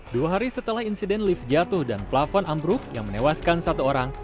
dua hari setelah insiden lift jatuh dan plafon ambruk yang menewaskan satu orang